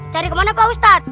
cari ke mana pak ustadz